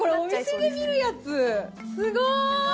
すごい！